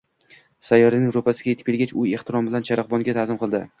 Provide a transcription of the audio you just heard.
Sayyoraning ro‘parasiga yetib kelgach, u ehtirom bilan charog‘bonga ta’zim qildi.!